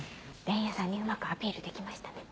伝弥さんにうまくアピールできましたね。